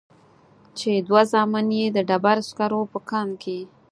چې دوه زامن يې د ډبرو سکرو په کان کې.